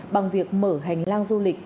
bằng việc mở hành lang du lịch